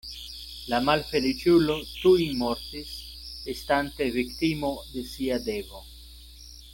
La malfeliĉulo tuj mortis, estante viktimo de sia devo.